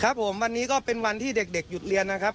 ครับผมวันนี้ก็เป็นวันที่เด็กหยุดเรียนนะครับ